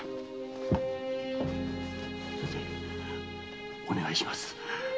先生お願いします。